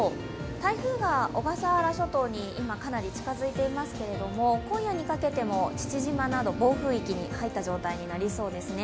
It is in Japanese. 台風が小笠原諸島に今、かなり近づいていますけど、今夜にかけても父島など暴風域に入った状態になりそうですね。